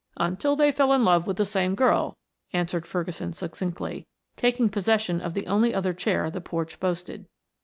"Until they fell in love with the same girl," answered Ferguson succinctly, taking possession of the only other chair the porch boasted.